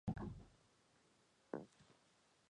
洪武七年七月十八日生第十九皇子谷王朱橞。